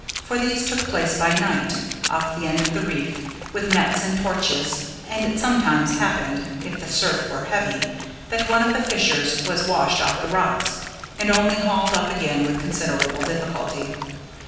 For these took place by night, off the end of the reef, with nets and torches; and it sometimes happened, if the surf were heavy, that one of the fishers was washed off the rocks, and only hauled up again with considerable difficulty.